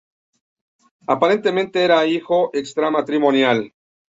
Aparentemente era hijo extramatrimonial.